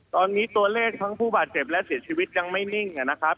ตอนนี้ตัวเลขทั้งผู้บาดเจ็บและเสียชีวิตยังไม่นิ่งนะครับ